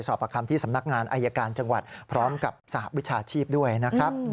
ประคัมที่สำนักงานอายการจังหวัดพร้อมกับสหวิชาชีพด้วยนะครับ